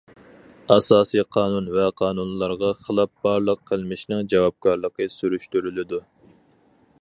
ئاساسىي قانۇن ۋە قانۇنلارغا خىلاپ بارلىق قىلمىشنىڭ جاۋابكارلىقى سۈرۈشتۈرۈلىدۇ.